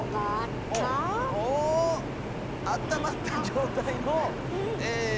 おおっあったまった状態のえ